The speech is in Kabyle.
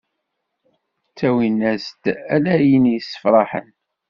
Ttawin-as-d ala ayen yessefraḥen.